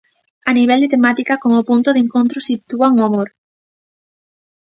A nivel de temática, como punto de encontro sitúan o amor.